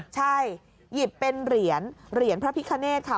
ใช่หยิบเป็นเหรียญเหรียญพระพิคเนธค่ะ